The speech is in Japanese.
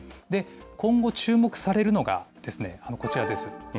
今後、注目されるのがこちらです。